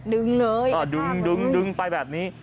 ดึงเลยดึงดึงไปแบบนี้